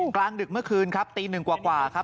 กลางดึกเมื่อคืนครับตีหนึ่งกว่าครับ